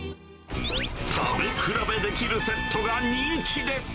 食べ比べできるセットが人気です。